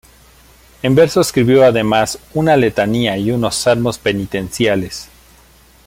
En verso escribió, además, una "Letanía" y unos "Salmos penitenciales".